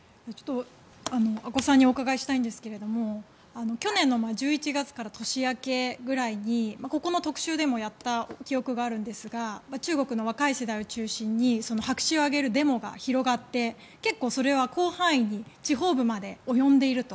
阿古さんにお伺いしたいんですが去年１１月から年明けぐらいにここの特集でもやった記憶があるんですが中国の若い世代を中心に白紙を上げるデモが広がって結構、それは広範囲に地方部まで及んでいると。